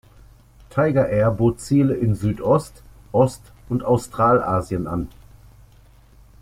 Tigerair bot Ziele in Südost-, Ost- und Australasien an.